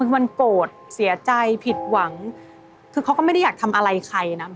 คือมันโกรธเสียใจผิดหวังคือเขาก็ไม่ได้อยากทำอะไรใครนะ